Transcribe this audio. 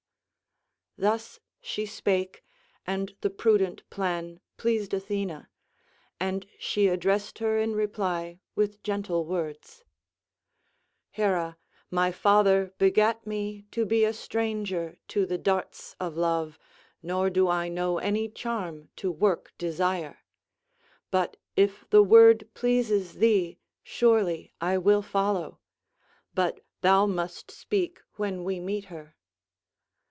Thus she spake, and the prudent plan pleased Athena, and she addressed her in reply with gentle words: "Hera, my father begat me to be a stranger to the darts of love, nor do I know any charm to work desire. But if the word pleases thee, surely I will follow; but thou must speak when we meet her."